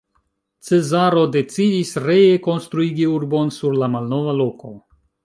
Cezaro decidis, ree konstruigi urbon sur la malnova loko.